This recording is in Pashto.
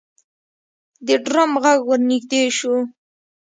د ډرم غږ ورنږدې شو.